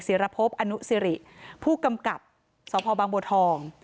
รพบอนุสิริผู้กำกับสพบางบัวทอง